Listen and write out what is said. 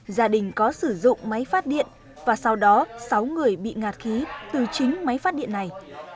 gia đình có sử dụng máy phát điện và sau đó sáu người bị ngạt khí từ chính máy phát điện này